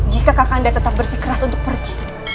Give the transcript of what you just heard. jika kakanda tetap bersikeras untuk pergi